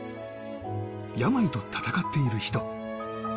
病と闘っている人。